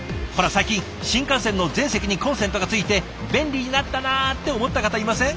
最近新幹線の全席にコンセントが付いて便利になったなって思った方いません？